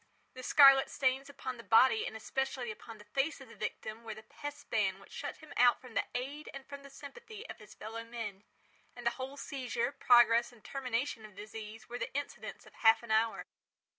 The scarlet stains upon the body and especially upon the face of the victim, were the pest ban which shut him out from the aid and from the sympathy of his fellow men. And the whole seizure, progress and termination of the disease, were the incidents of half an hour.